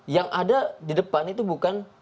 yang ada di depan itu bukan